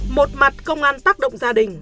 một mặt công an tác động gia đình